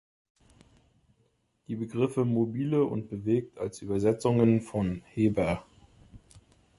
Die Begriffe „mobile“ und „bewegt“ als Übersetzungen von hebr.